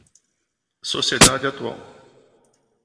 Sociedade atual